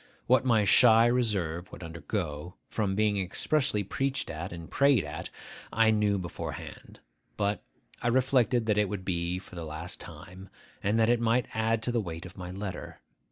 What my shy reserve would undergo, from being expressly preached at and prayed at, I knew beforehand. But I reflected that it would be for the last time, and that it might add to the weight of my letter.